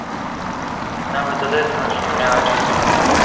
"Nawet odetchnąć nie miała czasu."